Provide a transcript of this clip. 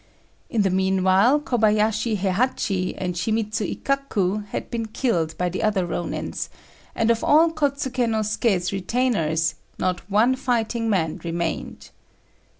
In the meanwhile Kobayashi Héhachi and Shimidzu Ikkaku had been killed by the other Rônins, and of all Kôtsuké no Suké's retainers not one fighting man remained.